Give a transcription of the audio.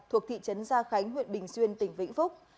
thuộc thị trấn gia khánh huyện bình xuyên tỉnh vĩnh phúc